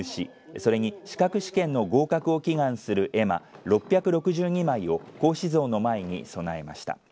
それに資格試験の合格を祈願する絵馬６６２枚を孔子像の前に供えました。